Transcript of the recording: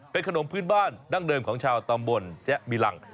เป็นขนมพื้นบ้านดั้งเดิมของชาวตำบลแจ๊บิลัง